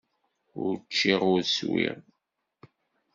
Ur cččiɣ, ur swiɣ.